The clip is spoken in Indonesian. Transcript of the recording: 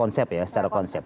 enggak ini secara konsep ya